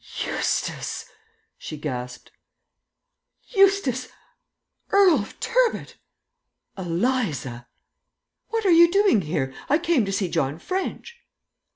"Eustace," she gasped "Eustace, Earl of Turbot!" "Eliza!" "What are you doing here? I came to see John French."